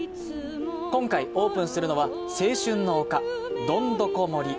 今回オープンするのは、青春の丘、どんどこ森。